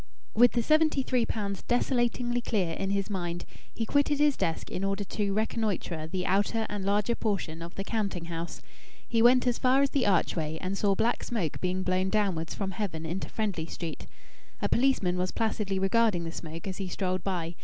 With the seventy three pounds desolatingly clear in his mind, he quitted his desk in order to reconnoitre the outer and larger portion of the counting house. He went as far as the archway, and saw black smoke being blown downwards from heaven into Friendly Street. A policeman was placidly regarding the smoke as he strolled by.